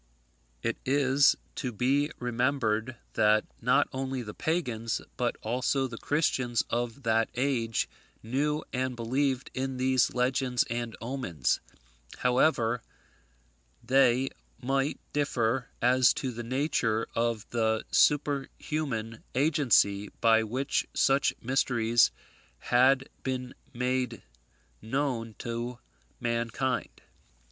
It is to be remembered that not only the pagans, but also the Christians of that age, knew and believed in these legends and omens, however they might differ as to the nature of the superhuman agency by which such mysteries had been made known to mankind.